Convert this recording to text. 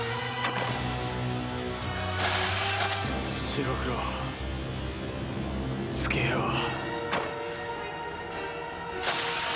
白黒つけよう。